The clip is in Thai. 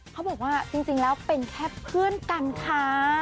เขาบอกว่าจริงแล้วเป็นแค่เพื่อนกันค่ะ